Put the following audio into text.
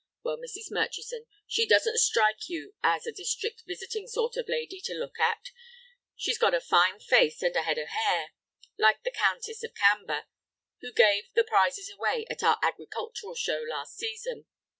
Well, Mrs. Murchison, she doesn't strike you as a district visiting sort of lady to look at; she's got a fine face and a head of hair, like the Countess of Camber, who gave the prizes away at our Agricultural Show last season.